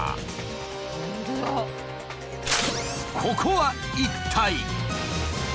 ここは一体？